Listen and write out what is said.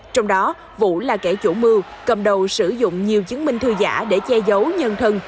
trong đó vũ là kẻ chủ mưu cầm đầu sử dụng nhiều chứng minh thư giả để che giấu nhân thân